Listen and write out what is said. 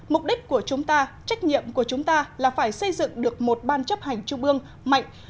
mục đích của chúng ta trách nhiệm của chúng ta là phải xây dựng được một ban chấp hành trung ương mạnh